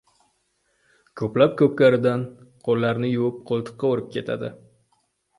Ko‘plar ko‘pkaridan qo‘lini yuvib, qo‘ltiqqa urib ketdi.